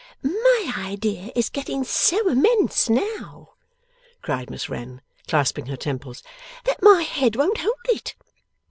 'My idea is getting so immense now,' cried Miss Wren, clasping her temples, 'that my head won't hold it!